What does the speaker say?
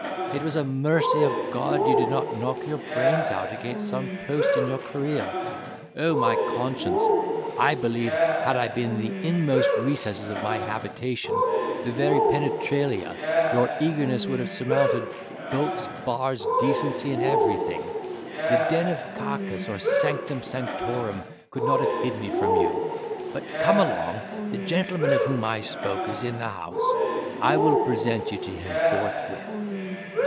It was a mercy of God you did not knock your brains out against some post in your career. Oh, my conscience! I believe, had I been in the inmost recesses of my habitation—the very penetralia—your eagerness would have surmounted bolts, bars, decency, and everything. The den of Cacus, or sanctum sanctorum, could not have hid me from you. But come along the gentleman of whom I spoke is in the house; I will present you to him forthwith."